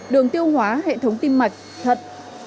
đường tiêu hóa hệ thống tim mạch thật